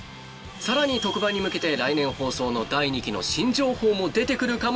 更に特番に向けて来年放送の第２期の新情報も出てくるかも？